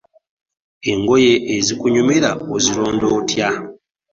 Engoye ezikunyumira ozironda otya?